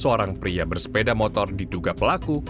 seorang pria bersepeda motor diduga pelaku